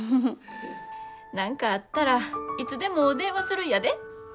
何かあったらいつでも電話するんやで。